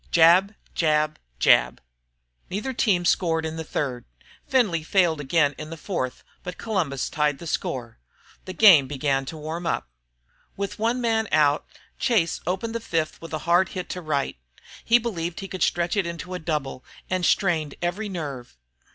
jab, jab, jab. Neither team scored in the third; Findlay failed again in the fourth, but Columbus tied the score. The game began to get warm. With one man out Chase opened the fifth with a hard hit to right. He believed he could stretch it into a double and strained every nerve.